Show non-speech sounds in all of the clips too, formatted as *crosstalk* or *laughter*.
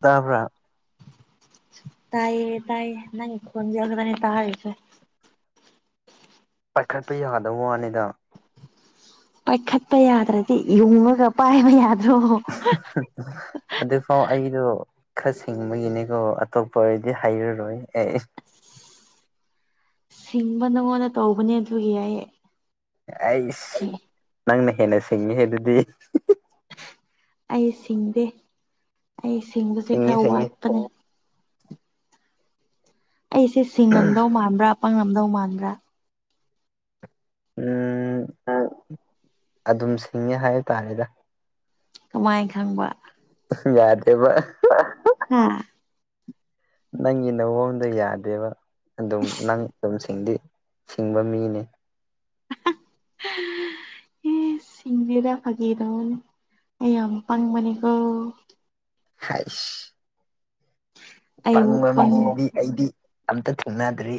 ꯇꯥꯕ ꯇꯥꯏꯌꯦ ꯇꯥꯏꯌꯦ ꯅꯪ ꯈꯣꯟꯖꯎꯒꯗꯅꯤ ꯇꯥꯔꯦꯁꯦ ꯄꯥꯏꯈꯠꯄ ꯌꯥꯗꯕ ꯋꯥꯅꯤꯗ ꯄꯥꯏꯈꯠꯄ ꯌꯥꯗ꯭ꯔꯗꯤ ꯌꯨꯡꯉꯒ ꯄꯥꯏꯕ ꯌꯥꯗ꯭ꯔꯣ ꯑꯗꯨꯗ ꯑꯣ ꯑꯩꯗꯣ ꯈꯔ ꯁꯤꯡꯕꯒꯤꯅꯦꯀꯣ ꯑꯇꯣꯞꯄ ꯑꯣꯏꯔꯗꯤ ꯍꯥꯏꯔꯔꯣꯏ ꯑꯦ ꯁꯤꯡꯕ ꯅꯪꯉꯣꯟꯗ ꯇꯧꯕꯅꯦ ꯑꯗꯨꯒꯤ ꯑꯩ ꯑꯩꯁ ꯅꯪꯅ ꯍꯦꯟꯅ ꯁꯤꯡꯉꯤ ꯍꯥꯏ ꯑꯗꯨꯗꯤ ꯑꯩ ꯁꯤꯡꯗꯦ ꯑꯩ ꯁꯤꯡꯕꯁꯦ ꯁꯤꯡꯉꯤ ꯈꯔ ꯁꯤꯡꯉꯤ ꯋꯥꯠꯄꯦ ꯑꯩꯁꯦ ꯁꯤꯡꯉꯝꯗꯧ ꯃꯥꯟꯕ꯭ꯔꯥ ꯄꯪ ꯅꯝꯗꯧ ꯃꯥꯟꯕ꯭ꯔꯥ ꯎꯝ ꯑꯗꯨꯝ ꯁꯤꯡꯉꯦ ꯍꯥꯏꯇꯥꯥꯔꯦꯗ ꯀꯃꯥꯏ ꯈꯪꯕ ꯌꯥꯗꯦꯕ ꯎꯝ ꯅꯪꯒꯤ ꯅꯣꯟꯗ ꯌꯥꯗꯦꯕ ꯑꯗꯨꯝ ꯅꯪ ꯑꯗꯨꯝ ꯁꯤꯡꯗꯤ ꯁꯤꯡꯕ ꯃꯤꯅꯤ ꯎꯝ ꯁꯤꯡꯖꯔ ꯐꯥꯒꯦꯔ ꯑꯩ ꯌꯥꯝ ꯄꯪꯕꯅꯤꯀꯣ ꯍꯥꯏꯁ ꯑꯩꯃꯨꯛ ꯄꯪꯕ ꯄꯪ ꯃꯤꯗꯤ ꯑꯩꯗꯤ ꯑꯝꯇ ꯊꯦꯡꯅꯗ꯭ꯔꯤ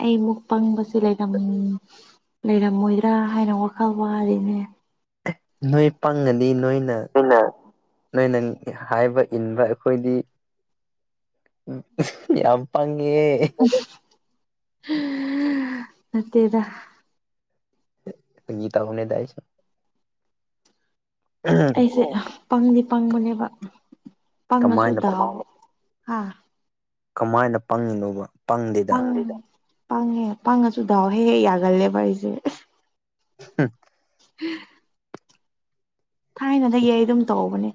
ꯑꯩ ꯑꯃꯨꯛ ꯄꯪꯕꯁꯦ ꯂꯩꯔꯝ ꯂꯩꯔꯝꯃꯣꯏꯗ꯭ꯔꯥ ꯍꯥꯏꯅ ꯋꯥꯈꯜ ꯋꯥꯔꯤꯅꯦ ꯅꯣꯏ ꯄꯪꯉꯗꯤ ꯅꯣꯏꯅ ꯏꯟꯅ ꯅꯣꯏꯅ ꯍꯥꯏꯕ ꯏꯟꯕ ꯑꯩꯈꯣꯏꯗꯤ ꯌꯥꯝꯄꯪꯦ *unintelligible* ꯅꯠꯇꯦꯗ ꯐꯒꯤ ꯇꯧꯕꯅꯦꯗ ꯑꯩꯁꯨ ꯑꯩꯁꯦ ꯄꯪꯗꯤ ꯄꯪꯕꯅꯦꯕ ꯄꯪꯉꯁꯨ ꯀꯃꯥꯏꯅ ꯗꯥꯎ ꯍꯥꯥ ꯀꯃꯥꯏꯅ ꯄꯪꯉꯤꯅꯣꯕ ꯄꯪꯗꯦꯗ ꯄꯪ ꯄꯪꯉꯦ ꯄꯪꯉꯁꯨ ꯗꯥꯎ ꯍꯦꯛ ꯍꯦꯛ ꯌꯥꯒꯜꯂꯦꯕ ꯑꯩꯖꯦ *unintelligible* ꯎꯝ ꯊꯥꯏꯅꯗꯒꯤ ꯑꯩ ꯑꯗꯨꯝ ꯇꯧꯕꯅꯦ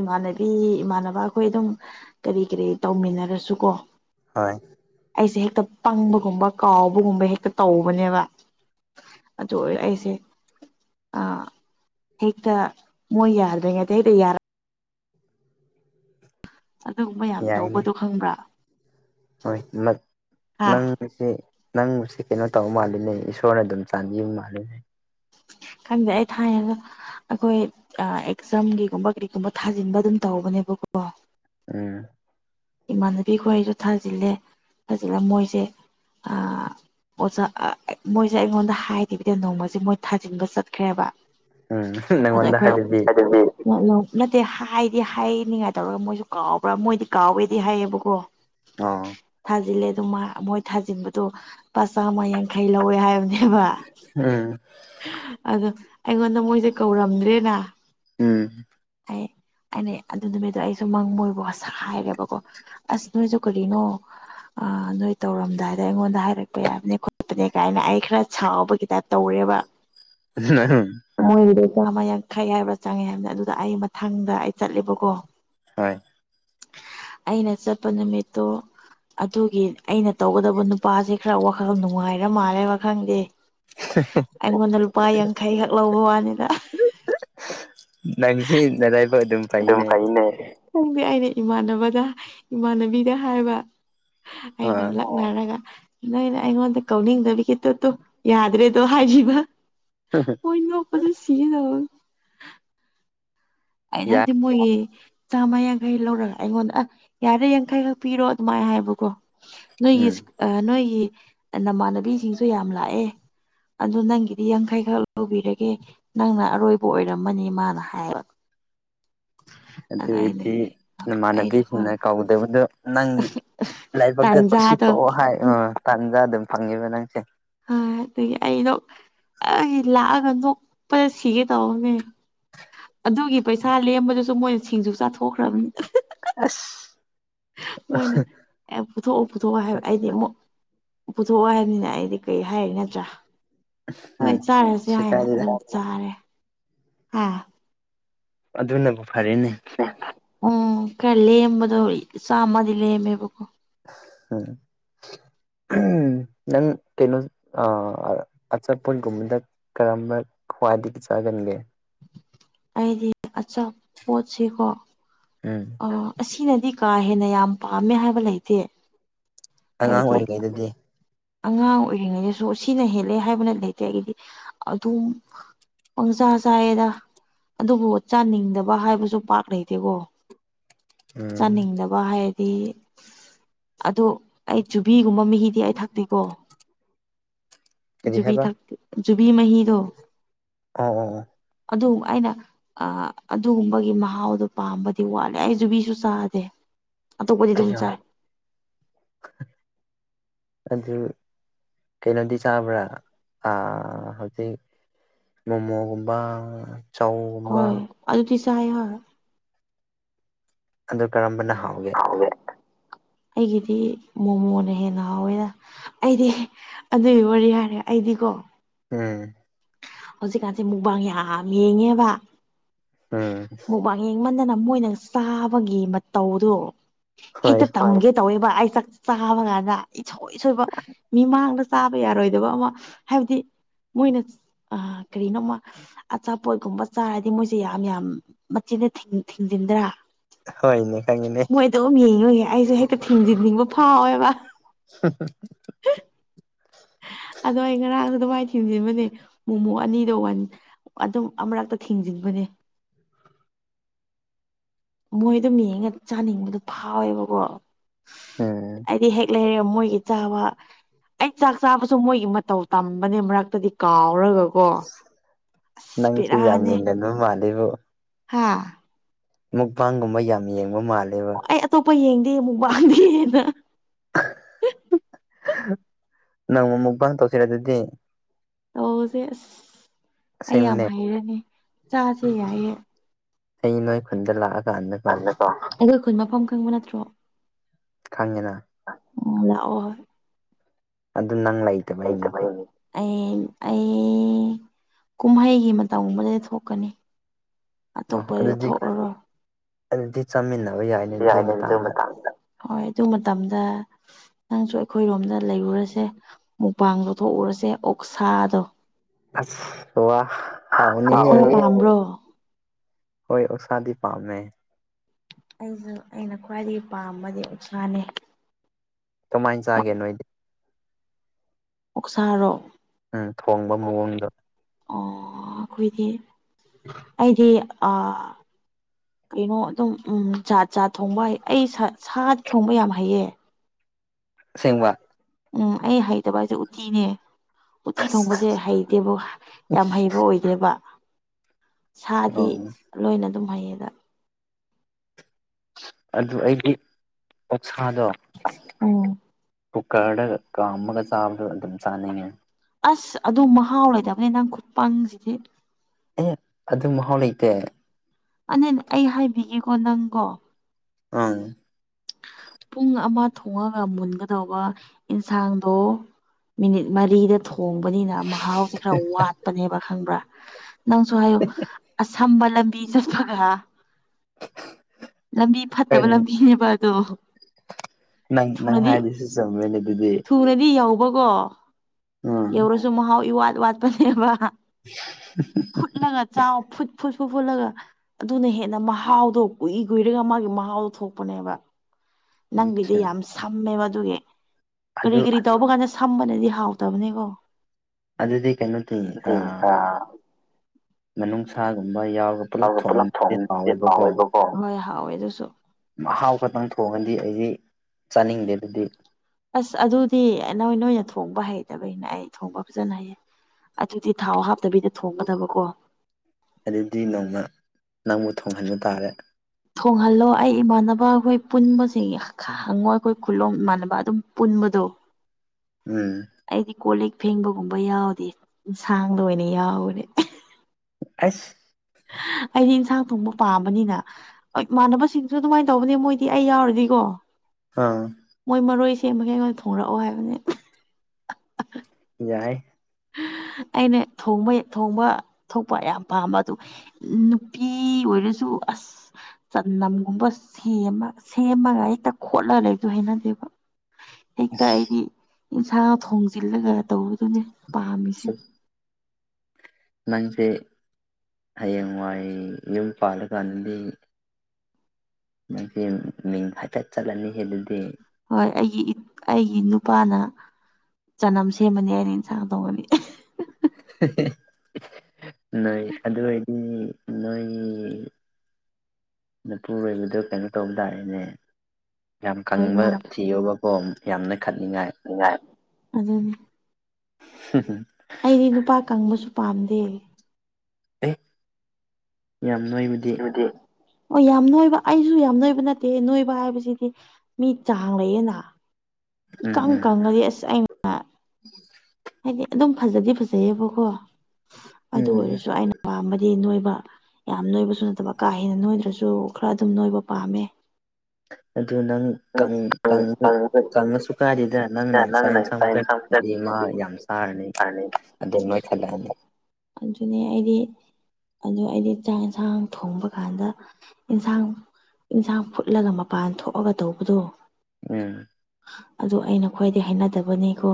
ꯏꯃꯥꯟꯅꯕꯤ ꯏꯃꯥꯟꯅꯕ ꯑꯩꯈꯣꯏ ꯑꯗꯨꯝ ꯀꯔꯤ ꯀꯔꯤ ꯇꯧꯃꯤꯟꯅꯔꯁꯨ ꯀꯣ ꯍꯣꯏ ꯑꯩꯁꯦ ꯍꯦꯛꯇ ꯄꯪꯕꯒꯨꯝꯕ ꯀꯥꯎꯕꯒꯨꯝꯕ ꯍꯦꯛꯇ ꯇꯧꯕꯅꯦꯕ ꯑꯗꯨ ꯑꯣꯏꯔ ꯑꯩꯁꯦ ꯑ ꯍꯦ ꯃꯣꯏ ꯌꯥꯗꯔꯤꯉꯗꯤꯦ ꯍ ꯑꯗꯨꯒꯨꯝꯕ ꯌꯥꯝ ꯌꯥꯏꯅꯦ ꯇꯧꯕꯗꯨ ꯈꯪꯕ꯭ꯔꯥ ꯍꯣꯏ ꯅꯠ ꯍꯥ ꯅꯪ ꯁꯤ ꯅꯪ ꯁꯤ ꯀꯩꯅꯣ ꯇꯧꯕ ꯃꯥꯜꯂꯤꯅꯦ ꯏꯁꯣꯔ ꯑꯗꯨꯝ ꯆꯥꯟꯕꯤꯕ ꯃꯥꯜꯂꯤꯅꯦ ꯈꯪꯗꯦ ꯑꯩ ꯊꯥꯏꯅꯅ ꯑꯩꯈꯣꯏ ꯑ ꯑꯦꯛꯖꯥꯝꯒꯤꯒꯨꯝꯕ ꯀꯔꯤꯒꯨꯝꯕ ꯊꯥꯖꯤꯟꯕ ꯑꯗꯨꯝ ꯇꯧꯕꯅꯦꯕꯀꯣ ꯎꯝ ꯏꯃꯥꯟꯅꯕꯤ ꯈꯣꯏꯖꯨ ꯊꯥꯖꯤꯜꯂꯦ ꯊꯥꯖꯤꯜꯂ ꯃꯣꯏꯁꯦ ꯑ ꯑꯣꯖꯥ ꯑ ꯑꯦꯛ ꯃꯣꯏꯖꯦ ꯑꯩꯉꯣꯟꯗ ꯍꯥꯏꯗꯕꯤꯗ ꯅꯣꯡꯃꯖꯦ ꯃꯣꯏ ꯊꯥꯖꯤꯟꯕ ꯆꯠꯈ꯭ꯔꯦꯕ ꯎꯝ ꯑꯗ ꯅꯪꯉꯣꯟꯗ ꯑꯩꯈꯣꯏ ꯍꯥꯏꯗꯗꯤ ꯑꯗꯨꯗꯤ *unintelligible* ꯅꯠꯇꯦ ꯍꯥꯏꯗꯤ ꯍꯥꯏꯅꯤꯡꯉꯥꯏ ꯇꯧꯔꯒ ꯃꯣꯏꯖꯨ ꯀꯥꯎꯕ꯭ꯔꯥ ꯃꯣꯏꯗꯤ ꯀꯥꯎꯋꯦ ꯏ ꯍꯥꯏꯌꯦꯕꯀꯣ ꯑ ꯊꯥꯖꯤꯜꯂꯦ ꯑꯗꯨ ꯃꯥ ꯃꯣꯏ ꯊꯥꯖꯤꯟꯕꯗꯣ ꯂꯨꯄꯥ ꯆꯥꯝꯃ ꯌꯥꯡꯈꯩ ꯂꯧꯋꯦ ꯍꯥꯏꯕꯅꯤ ꯎꯝ *unintelligible* ꯑꯗꯣ ꯑꯩꯉꯣꯟꯗ ꯃꯣꯏꯖꯦ ꯀꯧꯔꯝꯗ꯭ꯔꯦꯅ ꯎꯝ ꯑꯩ ꯑꯅꯦ ꯑꯗꯨ ꯅꯨꯃꯤꯠꯇ ꯑꯩꯁꯨ ꯃꯪ ꯃꯣꯏꯕꯨ *unintelligible* ꯁꯍꯥꯏꯔꯦꯕꯀꯣ ꯑꯁ ꯅꯣꯏꯖꯨ ꯀꯔꯤꯅꯣ ꯑ ꯅꯣꯏ ꯇꯧꯔꯝꯗꯥꯏꯗ ꯑꯩꯉꯣꯟꯗ ꯍꯥꯏꯔꯛꯄ ꯌꯥꯕꯅꯦ ꯈꯣꯠꯄꯅꯦ ꯀꯥꯏꯅ ꯑꯩ ꯈꯔ ꯁꯥꯎꯕꯒꯤ ꯇꯥꯏꯞ ꯇꯧꯔꯦꯕ *inaudible* *unintelligible* ꯃꯣꯏꯒꯤꯗꯣ ꯆꯥꯝꯃ ꯌꯥꯡꯈꯩ ꯍꯥꯏꯕ꯭ꯔꯥ ꯆꯪꯉꯦ ꯍꯥꯏꯕꯅꯤ ꯑꯗꯨꯗ ꯑꯩ ꯃꯊꯪꯗ ꯑꯩ ꯆꯠꯂꯦꯕꯀꯣ ꯍꯣꯏ ꯑꯩꯅ ꯆꯠꯄ ꯅꯨꯃꯤꯠꯇꯣ ꯑꯗꯨꯒꯤ ꯑꯩꯅ ꯇꯧꯒꯗꯕ ꯅꯨꯄꯥꯖꯤ ꯈꯔ ꯋꯥ *unintelligible* ꯅꯨꯡꯉꯥꯏꯔ ꯃꯥꯜꯂꯦꯕ ꯈꯪꯗꯦ ꯑꯩꯉꯣꯟꯗ ꯂꯨꯄꯥ ꯌꯥꯡꯈꯩꯈꯛ ꯂꯧꯕ ꯋꯥꯅꯤꯗ ꯅꯪꯁꯤ ꯅꯔꯥꯏꯕꯛ ꯑꯗꯨꯝ ꯑꯗꯨꯝ ꯐꯩꯅꯦ ꯈꯪꯗꯦ ꯑꯩꯅ ꯏꯃꯥꯟꯅꯕꯗ ꯏꯃꯥꯟꯅꯕꯤꯗ ꯍꯥꯏꯕ ꯑꯥ ꯑꯩꯅꯂ *unintelligible* ꯎꯅꯔꯒ ꯅꯣꯏꯅ ꯑꯩꯉꯣꯟꯗ ꯀꯧꯅꯤꯡꯗꯕꯒꯤ ꯇꯨ ꯇꯨ ꯌꯥꯗ꯭ꯔꯦꯇꯨ ꯍꯥꯏꯈꯤꯕ ꯍꯝ ꯍ *unintelligible* ꯍꯣꯏ ꯅꯣꯛꯄꯥꯗ ꯁꯤꯒꯦ ꯇꯧꯋꯤ *unintelligible* ꯑꯩꯅ ꯌꯥꯏ ꯍꯥꯏꯕꯗꯤ ꯃꯣꯏꯒꯤ ꯆꯥꯝꯃ ꯌꯥꯡꯈꯩ ꯂꯧꯔꯒ ꯑꯩꯉꯣꯟꯗ ꯑꯁ ꯌꯥꯔꯦ ꯌꯥꯡꯈꯩꯈꯛ ꯄꯤꯔꯣ ꯑꯗꯨꯃꯥꯏꯅ ꯍꯥꯏꯕꯀꯣ ꯅꯣꯏꯒꯤ ꯎꯝ ꯅꯣꯏꯒꯤ ꯅꯃꯥꯟꯅꯕꯤꯁꯤꯡꯁꯨ ꯌꯥꯝ ꯂꯥꯛꯑꯦ ꯑꯗꯨ ꯅꯪꯒꯤꯗꯤ ꯌꯥꯡꯈꯩꯈꯛ ꯂꯧꯕꯤꯔꯒꯦ ꯅꯪꯅ ꯑꯔꯣꯏꯕ ꯑꯣꯏꯔꯝꯃꯅꯤ ꯃꯥꯅ ꯍꯥꯏꯌꯦꯕꯣ ꯑꯩꯅ ꯑꯗꯨꯏꯗꯤ ꯑꯩꯅ ꯍꯣꯏ ꯏꯃꯥꯟꯅꯕꯤꯁꯤꯡꯅ ꯀꯧꯗꯕꯗꯣ ꯅꯪꯒꯤ ꯂꯥꯏꯕꯛꯇ ꯁꯤ ꯇꯥꯟꯖꯥꯗꯣ ꯇꯣꯛꯑꯣ ꯍꯥꯏ ꯇꯥꯟꯖꯥ ꯑꯗꯨꯝ ꯐꯪꯉꯦꯕ ꯅꯪꯁꯦ ꯍ ꯑꯗꯨꯒꯤ ꯑꯩꯗꯣ ꯑꯩ ꯂꯥꯛꯑꯒ ꯅꯣꯛꯄꯗ ꯁꯤꯒꯦ ꯇꯧꯕꯅꯦ ꯑꯗꯨꯒꯤ ꯄꯩꯁꯥ ꯂꯦꯝꯕꯗꯨꯁꯨ ꯃꯣꯏꯅ ꯁꯤꯡꯖꯨ ꯆꯥꯊꯣꯛꯈ꯭ꯔꯕꯅꯤ ꯑꯁ ꯃꯣꯏꯅꯦ ꯑꯦ ꯄꯨꯊꯣꯛꯑꯣ ꯄꯨꯊꯣꯛꯑꯣ ꯍꯥꯏꯕ ꯑꯩꯗꯤ ꯑꯃꯨꯛ ꯄꯨꯊꯣꯛꯑꯣ ꯍꯥꯏꯕꯅꯤꯅ ꯑꯩꯗꯤ ꯀꯔꯤ ꯍꯥꯏꯔꯤꯒ ꯅꯠꯇ꯭ꯔꯥ ꯍꯣꯏ ꯎꯝ ꯆꯥꯔꯁꯨ ꯀꯩꯁꯨ ꯍꯥꯏꯅꯦ ꯀꯥꯏꯗꯦꯗ ꯑꯗꯨꯝ ꯆꯥꯔꯦ ꯑꯥ ꯑꯗꯨꯅꯕꯨ ꯐꯔꯦꯅꯦ *unintelligible* ꯎꯝ ꯈꯔ ꯂꯦꯝꯕꯗꯣ ꯆꯥꯝꯃꯗꯤ ꯂꯦꯝꯃꯦꯕꯀꯣ ꯎꯝ ꯅꯪ ꯀꯩꯅꯣ ꯑ *unintelligible* ꯒꯨꯝꯕꯗ ꯀꯔꯝꯕ ꯈ꯭ꯋꯥꯏꯗꯒꯤ ꯆꯥꯒꯟꯒꯦ ꯑꯩꯗꯤ ꯑꯆꯥ ꯄꯣꯠꯁꯤꯀꯣ ꯎꯝ ꯑ ꯑꯁꯤꯅꯗꯤ ꯀꯥ ꯍꯦꯟꯅ ꯌꯥꯝ ꯄꯥꯝꯃꯦ ꯍꯥꯏꯕ ꯂꯩꯇꯦ ꯑꯉꯥꯡ ꯍꯥꯏꯕꯗꯤ ꯑꯣꯏꯔꯤꯉꯩꯗꯗꯤ ꯑꯉꯥꯡ ꯑꯣꯏꯔꯤꯉꯩꯗꯁꯨ ꯁꯤꯅ ꯍꯦꯜꯂꯦ ꯍꯥꯏꯕꯅ ꯂꯩꯇꯦ ꯑꯩꯒꯤꯗꯤ ꯑꯗꯨꯝ ꯄꯪꯆꯥ ꯆꯥꯏꯌꯦꯗ ꯑꯗꯨꯕꯨ ꯆꯥꯅꯤꯡꯗꯕ ꯍꯥꯏꯕꯁꯨ ꯄꯥꯛ ꯂꯩꯇꯦꯀꯣ ꯎꯝ ꯆꯥꯅꯤꯡꯗꯕ ꯍꯥꯏꯔꯗꯤ ꯑꯗꯨ ꯑꯩ ꯆꯨꯕꯤꯒꯨꯝꯕ ꯃꯤꯤꯗꯤ ꯑꯩ ꯊꯛꯇꯦꯀꯣ ꯀꯔꯤ ꯨꯕꯤ ꯍꯥꯏꯕ ꯊ ꯖꯨꯕꯤ ꯃꯍꯤꯗꯣ ꯑꯣ ꯑꯣ ꯑꯣ ꯑꯗꯨ ꯑꯩꯅ ꯑ ꯑꯗꯨꯒꯨꯝꯕꯒꯤ ꯃꯍꯥꯎꯗꯣ ꯄꯥꯝꯕꯗꯤ ꯋꯥꯠꯂꯦ ꯑꯩ ꯨꯕꯤꯁꯨ ꯆꯥꯗꯦ ꯑꯇꯣꯞꯄꯗꯤ ꯑꯗꯨꯝ ꯀꯖꯣ ꯆꯥꯏ ꯑꯗꯨ ꯀꯩꯅꯣꯗꯤ ꯆꯥꯕ꯭ꯔꯥ ꯑ ꯍꯧꯖꯤꯛ ꯃꯣꯃꯣꯒꯨꯝꯕ ꯍ ꯆꯧꯒꯨꯝꯕ ꯑꯗꯨ ꯇ ꯆ ꯍꯥꯏꯦ ꯍ ꯑꯗꯨ ꯀꯔꯝꯕꯅ ꯍꯥꯎ ꯑꯩꯒꯤꯗꯤ ꯃꯣꯃꯣꯅ ꯍꯦꯟꯅ ꯍꯥꯎꯋꯦꯗ ꯑꯩꯗꯤ ꯑꯗꯨꯒꯤ ꯋꯥꯔꯤ ꯍꯥꯏꯔꯦ ꯑꯩꯗꯤꯀꯣ ꯎꯝ ꯍꯧꯖꯤꯛꯀꯥꯟꯁꯦ ꯃꯨꯛꯕꯥꯡ ꯌꯥꯝ ꯌꯦꯡꯉꯦꯕ ꯎꯝ ꯋꯥꯌꯦꯡꯃꯟꯗꯅ ꯃꯣꯏꯅ ꯆꯥꯕꯒꯤ ꯃꯇꯧꯗꯣ ꯍꯣꯏ ꯍꯦꯛꯇ ꯇꯝꯒꯦ ꯇꯧꯋꯦꯕ ꯑꯩ ꯆ ꯆꯥꯕ ꯀꯥꯟꯗ ꯑꯩꯁꯣꯏ ꯁꯣꯏꯕ ꯃꯤꯃꯥꯡꯗ ꯆꯥꯕ ꯌꯥꯔꯣꯏꯗꯕ ꯑꯃ ꯍꯥꯏꯕꯗꯤ ꯃꯣꯏꯅ ꯑ ꯀꯔꯤꯅꯣꯃ ꯑꯆꯥꯄꯣꯠꯒꯨꯝꯕ ꯆꯥꯔꯗꯤ ꯃꯣꯏꯁꯦ ꯌꯥꯝ ꯌꯥꯝ ꯃꯆꯤꯟꯅ ꯊꯤꯡꯖꯤꯟꯗ꯭ꯔꯥ ꯍꯣꯏꯅꯦ ꯈꯪꯉꯤꯅꯦ ꯃꯣꯏꯗ ꯑꯗꯨꯝ ꯌꯦꯡꯉꯨꯌꯦ ꯑꯩꯁꯨ ꯍꯦꯛꯇ ꯊꯤꯡꯖꯤꯟꯅꯤꯡꯕ ꯐꯥꯎꯋꯦꯕ *unintelligible* ꯑꯗꯣ ꯑꯩ ꯉꯔꯥꯡꯗ ꯑꯗꯨꯃꯥꯏꯅ ꯊꯤꯟꯖꯤꯟꯕꯅꯦ ꯃꯣꯃꯣ ꯑꯅꯤꯗ ꯋꯥꯟ ꯑꯗꯨꯝ ꯑꯃꯨꯔꯛꯇ ꯊꯤꯡꯖꯤꯟꯕꯅꯦ ꯃꯣꯏꯗꯣ ꯃꯤꯡꯉ ꯆꯥꯅꯤꯡꯕꯗꯨꯣ ꯐꯥꯎꯋꯦꯕꯀꯣ ꯎꯝ ꯑꯩꯗꯤ ꯍꯦꯛ ꯂꯩꯔꯦ ꯃꯣꯏꯒꯤ ꯥꯛ ꯆꯥꯕ ꯑꯩ ꯆꯥꯛ ꯆꯥꯕꯁꯨ ꯃꯣꯏꯒꯤ ꯃꯇꯧ ꯇꯝꯕꯅꯦ ꯃꯔꯛꯇꯗꯤ ꯀꯥꯎꯔꯒꯀꯣ ꯑꯁ ꯅꯪꯁꯤ ꯌꯥꯝꯅꯤꯡꯗꯅꯨ ꯃꯥꯜꯂꯤꯕꯨ ꯍꯥꯥ ꯃꯨꯛꯕꯥꯥꯡꯒꯨꯝꯕ ꯌꯥꯝ ꯌꯦꯡꯕ ꯃꯥꯜꯂꯦꯕ ꯑꯩ ꯑꯇꯣꯞꯄ ꯌꯦꯡꯗꯦ ꯑꯃꯨꯛ ꯃꯟꯗꯦꯅ *unintelligible* ꯅꯣꯡꯃꯥ ꯃꯨꯛꯕꯥꯡ ꯇꯧꯁꯤꯔ ꯑꯗꯨꯗꯤ ꯇꯧꯁꯦ ꯑꯁ ꯑꯩ ꯌꯥꯝ ꯑꯁꯦꯡꯕꯅꯦ ꯍꯩꯔꯅꯤ ꯆꯥꯁꯦ ꯌꯥꯏꯌꯦ ꯑꯩ ꯅꯣꯏ ꯈꯨꯟꯗ ꯂꯥꯛꯑꯒ *unintelligible* ꯑꯩꯈꯣꯏ ꯈꯨꯟ ꯃꯐꯝ ꯈꯪꯕ ꯅꯠꯇ꯭ꯔꯣ ꯈꯪꯉꯤꯅꯥ ꯑꯝ ꯂꯥꯛꯑꯣ ꯑꯗꯨ ꯅꯪ ꯂꯩ ꯂꯩꯇꯕꯩꯅꯤ ꯑꯩ ꯑꯩ ꯀꯨꯝꯍꯩꯒꯤ ꯃꯇꯝꯒꯨꯝꯕꯗꯗꯤ ꯊꯣꯛꯀꯅꯤ ꯑꯣ ꯑꯇꯣꯞꯄꯗꯤ ꯑꯗꯨꯗꯤ ꯊꯣꯛꯑꯔꯣꯏ ꯑꯗꯨꯗꯤ ꯆꯥꯃꯤꯟꯅꯕ ꯌꯥꯏꯅꯦ ꯑꯗꯨꯒꯤ ꯃꯇꯥꯡꯗ ꯍꯣꯏ ꯑꯗꯨ ꯃꯇꯝꯗ ꯅꯪꯁꯨ ꯑꯩꯈꯣꯏꯔꯣꯝꯗ ꯂꯩꯔꯨꯔꯁꯦ ꯃꯨꯄꯥꯡ ꯂꯧꯊꯣꯛꯎꯔꯁꯦ ꯑꯣꯛꯁꯥꯗꯣ ꯑ ꯋꯥ ꯋꯥ ꯍꯥꯎꯥꯎꯅꯤꯍꯦ ꯑꯣꯛꯁꯥ ꯄꯥꯝꯕ꯭ꯔꯣ ꯍꯣꯏ ꯑꯣꯁꯥꯗꯤ ꯄꯥꯝꯃꯦ ꯑꯩꯁꯨ ꯑꯩꯅ ꯈ꯭ꯋꯥꯏꯗꯒꯤ ꯄꯥꯝꯕꯗꯤ ꯎꯁꯥꯅꯤ ꯀꯃꯥꯏꯅ ꯆꯥꯒꯦꯅꯣꯣꯏꯗꯤ ꯑꯣꯛꯁꯥꯔꯣ ꯎꯝ ꯊꯣꯡꯕ ꯃꯑꯣꯡꯗꯣ ꯑꯣ ꯑꯩꯈꯣꯏꯗꯤ ꯑꯩꯗꯤ ꯑ ꯀꯩꯅꯣ ꯑꯗꯨꯝ ꯎꯝ ꯖꯥꯠ ꯖꯥꯠ ꯊꯣꯡꯕ ꯍꯩꯑꯩ ꯑꯩ ꯁꯥꯗꯤ ꯊꯣꯡꯕ ꯌꯥꯝ ꯍꯩꯌꯦ ꯑꯥꯁꯦꯡꯕ ꯎꯝ ꯑꯩ ꯍꯩꯇꯕ ꯍꯥꯏꯁꯦ ꯎꯇꯤꯅꯦ ꯎꯇꯤ ꯊꯣꯡꯕꯁꯦ ꯍꯩꯇꯦꯕ ꯌꯥꯝ ꯍꯩꯕ ꯑꯣꯏꯗꯦꯕ ꯁꯥꯗꯤ ꯑꯣ ꯂꯣꯏꯅ ꯑꯗꯨꯝ ꯍꯩꯌꯦꯗ ꯑꯗꯨ ꯑꯩꯗꯤ ꯑꯣꯛꯁꯥꯗꯣ ꯎꯝ ꯀꯨꯀꯔꯗ ꯀꯥꯝꯃꯒ ꯆꯥꯕꯗꯣ ꯑꯗꯨꯝ ꯆꯥꯅꯤꯡꯉꯦ ꯑꯁ ꯑꯗꯨ ꯃꯍꯥꯎ ꯂꯩꯇꯕꯅꯤ ꯅꯪ ꯈꯨꯄꯪꯁꯤꯗꯤ ꯑꯦ ꯑꯗꯨ ꯃꯍꯥꯎ ꯂꯩꯇꯦ ꯑꯅꯤꯅꯦ ꯑꯩ ꯍꯥꯏꯕꯤꯒꯦꯀꯣ ꯅꯪꯀꯣ ꯑꯪ ꯄꯨꯡ ꯑꯃ ꯊꯣꯡꯉꯒ ꯃꯨꯟꯒꯗꯧꯕ ꯑꯦꯟꯁꯥꯡꯗꯣ ꯃꯤꯅꯤꯠ ꯃꯔꯤꯗ ꯊꯣꯡ ꯊꯣꯡꯕꯅꯤꯅ ꯃꯍꯥꯎꯁꯦ ꯈꯔ ꯋꯥꯠꯄꯅꯦꯕ ꯈꯪꯕ꯭ꯔꯥ ꯅꯪꯁꯨ ꯍꯥꯏꯌꯨ ꯑꯁꯝꯕ ꯂꯝꯕꯤ ꯆꯠꯄꯒ ꯂꯝꯕꯤ ꯐꯠꯇꯕ ꯂꯝꯕꯤꯅꯦꯕ ꯑꯗꯣ ꯅꯪ ꯅꯪ ꯊꯨꯅꯗꯤ ꯍꯥꯏꯔꯤꯁꯨ ꯆꯨꯝꯃꯦꯅꯦ ꯑꯗꯨꯗꯤ ꯊꯨꯅꯗꯤ ꯌꯧꯕꯀꯣ ꯎꯝ ꯌꯧꯔꯁꯨꯨ ꯃꯥꯍꯥꯎ ꯏꯋꯥꯠ ꯋꯥꯠꯄꯅꯦꯕꯥ ꯎ *unintelligible* ꯐꯨꯠꯂꯒ ꯆꯥꯎ ꯐꯨꯠ ꯐꯨꯠ ꯐꯨꯠ ꯐꯨꯠꯂꯒ ꯑꯗꯨꯅ ꯍꯦꯟꯅ ꯃꯍꯥꯎꯗꯣ ꯀꯨꯏ ꯀꯨꯏꯔꯒ ꯃꯥꯒꯤ ꯃꯍꯥꯎꯗꯣ ꯊꯣꯛꯄꯅꯦꯕ ꯅꯪꯒꯤꯗꯤ ꯑꯆꯥ ꯌꯥꯝ ꯁꯝꯃꯦꯕ ꯑꯗꯨꯒꯤ ꯀꯔꯤ ꯑꯗꯨ ꯀꯔꯤ ꯇꯧꯕ ꯀꯥꯟꯗ ꯁꯝꯕꯅꯗꯤ ꯍꯥꯎꯇꯕꯅꯤꯀꯣ ꯑꯗꯨꯗꯤ ꯀꯩꯅꯣꯗꯤ ꯑꯥ ꯃꯅꯨꯡꯁꯥꯒꯨꯝꯕ ꯌꯥꯎꯔ ꯌꯥꯎꯔꯥ ꯄꯨꯂꯞ ꯊꯣꯡꯒꯦ ꯇꯧꯋꯦꯕꯥꯀꯣ ꯍꯣꯏ ꯍꯥꯎꯋꯦ ꯑꯗꯨꯁꯨ ꯃꯍꯥꯎ ꯈꯛꯇꯪ ꯊꯣꯡꯉꯗꯤ ꯑꯩꯗꯤ ꯆꯥꯅꯤꯡꯗꯦ ꯑꯗꯨꯗꯤ ꯑꯁ ꯑꯗꯨꯗꯤ ꯅꯣꯏ ꯅꯣꯏꯅ ꯊꯣꯡꯕ ꯍꯩꯇꯕꯅꯤꯅ ꯑꯩ ꯊꯣꯡꯕ ꯐꯖꯅ ꯍꯩꯌꯦ ꯑꯗꯨꯗꯤ ꯊꯥꯎ ꯍꯥꯞꯇꯕꯤꯗ ꯊꯣꯡꯒꯗꯕꯀꯣ ꯑꯗꯨꯗꯤ ꯅꯣꯡꯃ ꯅꯪꯕꯨ ꯊꯣꯡꯍꯟꯕ ꯇꯥꯔꯦ ꯊꯣꯡꯍꯜꯂꯣ ꯑꯩ ꯏꯃꯥꯟꯅꯕ ꯑꯩꯈꯣꯏ ꯄꯨꯟꯕꯁꯤꯡ ꯍꯪꯉꯣ ꯑꯩꯈꯣꯏ ꯈꯨꯟꯂꯣꯝ ꯏꯃꯥꯟꯅꯕ ꯑꯗꯨꯝ ꯄꯨꯟꯕꯗꯣ *inaudible* ꯎꯝ ꯑꯩꯗꯤ ꯀꯣꯟꯂꯤꯛ ꯐꯦꯡꯕꯒꯨꯝꯕ ꯌꯥꯎꯗꯦ ꯑꯦꯟꯁꯥꯡꯗ ꯑꯣꯏꯅ ꯌꯥꯎꯕꯅꯦ ꯑꯩꯁ ꯑꯩꯗꯤ ꯏꯟꯁꯥꯡ ꯊꯣꯡꯕ ꯄꯥꯝꯕꯅꯤꯅ ꯍꯣꯏ ꯃꯥꯟꯅꯕꯁꯤꯡꯁꯨ ꯑꯗꯨꯃꯥꯏꯅ ꯇꯧꯕꯅꯦ ꯃꯣꯏꯗꯤ ꯑꯩ ꯌꯥꯎꯔꯗꯤꯀꯣ ꯑ ꯃꯣꯏ ꯃꯔꯣꯏ ꯁꯦꯝꯕꯒꯩ ꯑꯩꯉꯣꯟꯗ ꯊꯣꯡꯣꯔꯛꯑꯣ ꯍꯥꯏꯕꯅꯤ ꯌꯥꯏ ꯑꯩꯅ ꯊꯣꯡꯕ ꯊꯣꯡꯕ ꯊꯣꯛꯄ ꯌꯥꯝ ꯄꯥꯝꯕ ꯑꯗꯨ ꯅꯨꯄꯤ ꯑꯣꯏꯔꯁꯨ ꯑꯁ ꯆꯅꯝꯒꯨꯝꯕ ꯁꯦꯝꯃ ꯁꯦꯝꯃꯒ ꯍꯦꯛꯇ ꯈꯣꯠꯂꯒ ꯂꯩꯕꯗꯨ ꯍꯩꯅꯗꯦꯕ ꯍꯦꯛꯇ ꯑꯩꯗꯤ ꯌꯦꯟꯁꯥꯡ ꯊꯣꯡꯖꯤꯜꯂꯒ ꯇꯧꯕꯗꯨꯅꯦ ꯄꯥꯝꯃꯤꯁꯦ ꯅꯪꯁꯦ ꯍꯌꯦꯡꯋꯥꯏ ꯌꯨꯝ ꯄꯥꯜꯂꯀꯥꯟꯗꯗꯤ ꯅꯪꯁꯦ ꯃꯤꯡ ꯍꯥꯏꯐꯦꯠ ꯆꯠꯂꯅꯤ ꯍꯦ ꯑꯗꯨꯗꯤ ꯍꯣꯏ ꯑꯩꯒꯤ ꯑꯩꯒꯤ ꯅꯨꯄꯥꯅ ꯆꯅꯝ ꯁꯦꯝꯃꯅꯤ ꯑꯩꯅ ꯏꯟꯁꯥꯡ ꯇꯣꯡꯉꯅꯤ ꯅꯣꯏ ꯑꯗꯣꯏꯗꯤ ꯅꯣꯏ ꯃꯄꯨꯔꯣꯏꯕꯗ ꯀꯩꯅꯣ ꯇꯧꯕ ꯇꯥꯔꯦꯅꯦ ꯌꯥꯝ ꯍꯣꯏ ꯀꯪꯕ ꯃꯥ ꯊꯤꯌꯣꯕ ꯀꯣ ꯌꯥꯝ ꯅꯣꯏꯈꯠꯅꯤꯡꯉꯥꯏ ꯑꯗꯨꯅꯤ ꯍꯝꯍꯝ ꯑꯩꯗꯤ ꯅꯨꯄꯥ ꯀꯪꯕꯁꯨ ꯄꯥꯝꯗꯦ ꯑꯦ ꯌꯥꯝ ꯅꯣꯏꯕꯅꯤ ꯕꯗꯤ ꯑꯣ ꯌꯥꯝ ꯅꯣꯏꯕ ꯑꯩꯁꯨ ꯌꯥꯝ ꯅꯣꯏꯕ ꯅꯠꯇꯦ ꯅꯣꯏꯕ ꯍꯥꯏꯕꯁꯤꯗꯤ ꯃꯤ ꯆꯥꯡ ꯂꯩꯌꯦꯅ ꯎꯝ ꯏꯀꯪ ꯎꯝ ꯀꯪꯉꯗꯤ ꯑꯁ ꯑꯩꯅ ꯍꯥꯏꯗꯤ ꯑꯗꯨꯝ ꯐꯖꯗꯤ ꯐꯖꯩꯌꯦꯕꯀꯣ ꯑꯗꯨ ꯎꯝ ꯑꯣꯏꯔꯁꯨ ꯑꯩꯅ ꯄꯥꯝꯕꯗꯤ ꯅꯣꯏꯕ ꯌꯥꯝ ꯅꯣꯏꯕꯁꯨ ꯅꯠꯇꯕ ꯀꯥ ꯍꯦꯟꯅ ꯅꯣꯏꯗ꯭ꯔꯁꯨ ꯈꯔ ꯑꯗꯨꯝ ꯅꯣꯏꯕ ꯄꯥꯝꯃꯦ ꯑꯗꯨ ꯅꯪ ꯀꯪ ꯀꯪꯕ ꯆꯪꯉꯁꯨ ꯀꯥꯏꯁꯤꯦꯗꯅ ꯅꯪꯅ ꯁꯥꯏꯟ ꯆꯥꯛ ꯏꯟꯁꯥꯡ ꯃꯥ ꯌꯥꯝ ꯆꯥꯔꯅꯤ ꯑꯗꯨꯝ ꯅꯣꯏꯈꯠꯂꯛꯑꯅꯤ ꯑꯗꯨꯅꯦ ꯑꯩꯗꯤ ꯑꯗꯨꯗ ꯑꯩꯗꯤ ꯆꯥꯛ ꯌꯦꯟꯁꯥꯡ ꯊꯣꯡꯕ ꯀꯥꯟꯗ ꯌꯦꯟꯁꯥꯡ ꯌꯦꯟꯁꯥꯡ ꯐꯨꯠꯂꯒ ꯃꯄꯥꯟ ꯊꯣꯛꯑꯒ ꯇꯧꯕꯗꯣ ꯎꯝ ꯑꯣ ꯑꯩꯅ ꯈ꯭ꯋꯥꯏꯗꯒꯤꯩ ꯍꯥꯏꯅꯗꯕꯅꯤꯀꯣ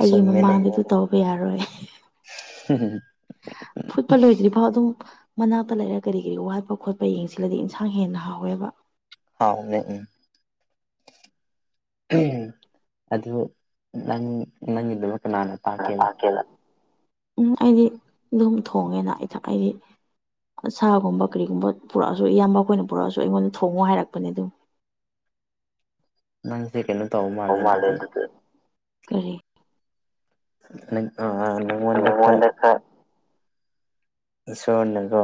ꯑꯩꯒꯤ ꯃꯃꯥꯡ ꯇꯧꯕ ꯌꯥꯔꯣꯏ ꯍꯝ ꯍꯝ ꯐꯨꯠꯄ ꯂꯣꯏꯗ꯭ꯔꯤ ꯐꯥꯎ ꯑꯗꯨ ꯃꯅꯥꯛꯇ ꯂꯩꯔꯒ ꯀꯔꯤ ꯀꯔꯤ ꯋꯥꯠꯄ ꯈꯣꯠꯄ ꯌꯦꯡꯁꯤꯜꯂꯗꯤ ꯏꯟꯁꯥꯡ ꯍꯦꯟꯅ ꯍꯥꯎꯋꯦꯕ ꯍꯥꯎꯅꯦ ꯎꯝ ꯑꯗꯨ ꯅꯪ ꯅꯪꯒꯤꯗꯨꯃꯛꯀ ꯂꯥꯟꯅ ꯎꯝ ꯑꯩꯗꯤ ꯑꯗꯨꯝ ꯊꯣꯡꯉꯦꯅ ꯏꯊ ꯑꯩꯗꯤ ꯁꯥꯒꯨꯝꯕ ꯀꯔꯤꯒꯨꯝꯕ ꯄꯨꯔꯛꯑꯁꯨ ꯏꯌꯥꯝꯕ ꯑꯩꯈꯣꯏꯅ ꯄꯨꯔꯛꯑꯁꯨ ꯑꯩꯉꯣꯟꯗ ꯊꯣꯡꯉꯨ ꯍꯥꯏꯔꯛꯄꯅꯦ ꯑꯗꯨꯝ ꯅꯪꯁꯦ ꯀꯩꯅꯣ ꯇꯧꯕ ꯃꯥꯜꯂꯦ ꯑꯗꯨꯗꯤ ꯀꯔꯤ *unintelligible* ꯈꯔ *unintelligible* ꯏꯁꯣꯔꯅꯀꯣ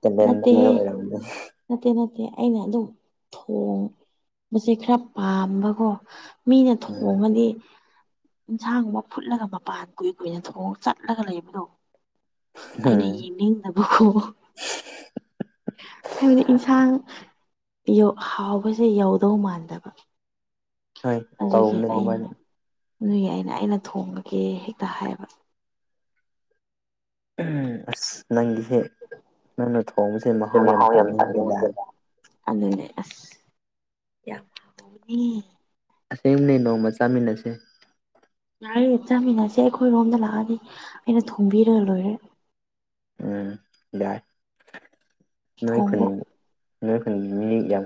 ꯇꯦꯂꯦꯟ ꯄꯤꯕ ꯅꯠꯇꯦꯍꯦ ꯑꯣꯏꯔꯝꯅꯤ ꯅꯠꯇꯦ ꯅꯠꯇꯦ ꯑꯩꯅ ꯑꯗꯨꯝ ꯊꯣꯡꯕꯁꯦ ꯈꯔ ꯄꯥꯝꯕꯀꯣ ꯃꯤꯅ ꯊꯣꯡꯉꯗꯤ ꯌꯦꯟꯁꯥꯡ ꯑꯃ ꯐꯨꯠꯂꯒ ꯃꯄꯥꯟ ꯀꯨꯏ ꯀꯨꯏꯅ ꯆꯣꯡ ꯆꯠꯂꯒ ꯂꯩꯕꯗꯣ ꯑꯩꯅ ꯎꯝ ꯌꯦꯡꯅꯤꯡꯗꯕꯀꯣ ꯍꯥꯏꯕꯗꯤ ꯏꯟꯁꯥꯡ ꯄꯤꯌꯣ ꯍꯥꯎꯕꯁꯦ ꯌꯧꯗꯧ ꯃꯥꯟꯗꯕ ꯍꯣꯏ ꯑꯗꯨꯒꯤ ꯇꯧꯕꯅꯦ ꯑꯩ ꯑꯗꯨꯃꯥꯏꯅ ꯑꯗꯨꯒꯤ ꯑꯩꯅ ꯑꯩꯅ ꯊꯣꯡꯕꯒꯤꯦ ꯍꯦꯛꯇ ꯍꯥꯏꯌꯦꯕ ꯎ ꯑꯁ ꯅꯪꯒꯤꯁꯦ ꯅꯪꯅ ꯊꯣꯡꯕꯁꯦ ꯃꯍꯥꯎ ꯌꯥꯝ ꯇꯛꯅꯤꯡꯁꯦꯗ ꯑꯗꯨꯅꯦ ꯑꯁ ꯑꯁꯦꯡꯕꯅꯦ ꯅꯣꯡꯃ ꯆꯥꯃꯤꯟꯅꯁꯦ ꯌꯥꯔꯦ ꯆꯥꯃꯤꯟꯅꯁꯦ ꯑꯩꯈꯣꯏꯔꯣꯝꯗ ꯂꯥꯛꯑꯅꯤ ꯑꯩꯅ ꯊꯣꯝꯕꯤꯔ ꯂꯣꯏꯔꯦ ꯎꯝ ꯌꯥꯏ ꯅꯣꯏ ꯈꯨꯨꯟ ꯊꯣꯡꯕ ꯅꯣꯏ ꯈꯨꯨꯟ ꯃꯤꯅꯤ ꯌꯥꯝ